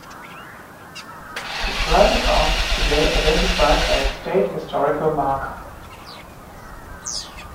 The private house is today identified by a state historical marker.